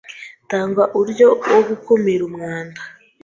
Tanga uuryo wo gukumira umwanda